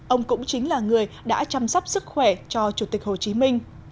ông cũng chính là người đã chăm sóc sức khỏe cho chủ tịch hồ chí minh